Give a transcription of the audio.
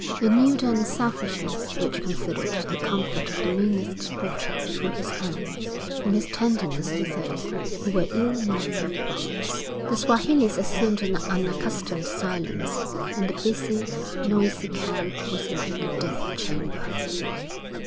They knew the unselfishness which considered the comfort of the meanest porter before his own; and his tenderness to those who were ill knew no bounds. The Swahilis assumed an unaccustomed silence, and the busy, noisy camp was like a death chamber.